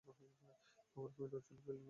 Cover point অঞ্চলে fielding করতেন তিনি।